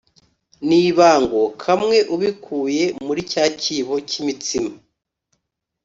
n ibango kamwe ubikuye muri cya cyibo cy imitsima